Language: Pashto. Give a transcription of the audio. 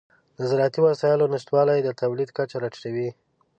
د زراعتي وسایلو نشتوالی د تولید کچه راټیټوي.